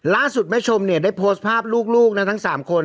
ล่าสุดแม่ชมเนี่ยได้โพสต์ภาพลูกนะทั้ง๓คน